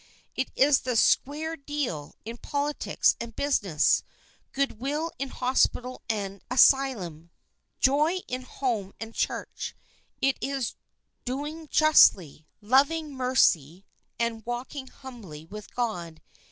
It is the " square deal " in politics and business, goodwill in hospital and asylum, if joy in home and church. It is doing justly, 8 loving mercy and walking humbly with God.